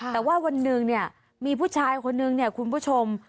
แต่ว่าวันหนึ่งเนี่ยมีผู้ชายคนนึงเนี่ยคุณผู้ชม